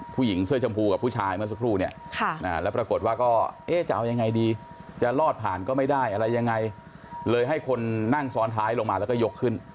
ผู้หญิงเสื้อชมพูกับผู้ชายเมื่อสักครู่เนี่ยแล้วปรากฏว่าก็เอ๊ะจะเอายังไงดีจะรอดผ่านก็ไม่ได้อะไรยังไงเลยให้คนนั่งซ้อนท้ายลงมาแล้วก็ยกขึ้น